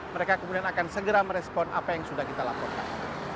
mereka kemudian akan segera merespon apa yang sudah kita laporkan